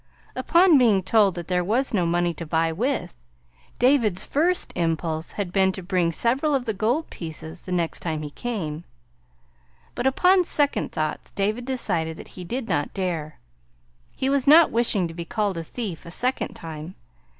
Upon being told that there was no money to buy with, David's first impulse had been to bring several of the gold pieces the next time he came; but upon second thoughts David decided that he did not dare. He was not wishing to be called a thief a second time.